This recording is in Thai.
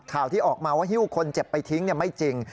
ข่าวที่ออกมาว่าฮิ้วคนเจ็บไปทิ้งไม่จริง